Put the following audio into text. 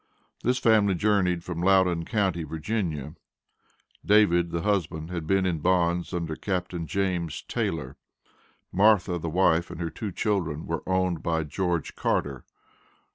This family journeyed from Loudon county, Va. David, the husband, had been in bonds under Captain James Taylor. Martha, the wife, and her two children were owned by George Carter.